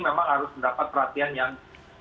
memang harus mendapat perhatian yang